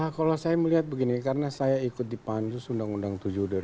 kalau saya melihat begini karena saya ikut di panus undang undang tujuh dua ribu tujuh belas